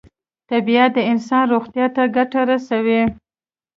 طبیعت د انسان روغتیا ته ګټه رسوي.